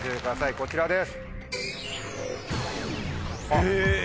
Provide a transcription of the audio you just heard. こちらです。